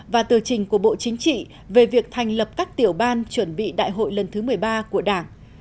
và tờ trình của bộ chính trị về việc thành lập các tiểu ban chuẩn bị đại hội lần thứ một mươi ba của đảng